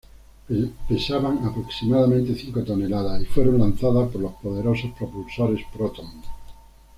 Pesaban aproximadamente cinco toneladas y fueron lanzadas por los poderosos propulsores Proton.